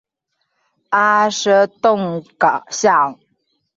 阿什顿巷。